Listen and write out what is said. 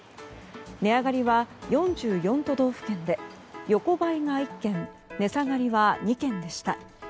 値上がりは４４都道府県で横ばいが１県値下がりは２県でした。